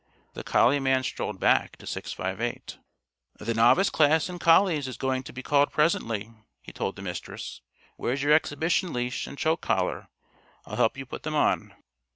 The collie man strolled back to 658. "The Novice class in collies is going to be called presently," he told the Mistress. "Where's your exhibition leash and choke collar? I'll help you put them on."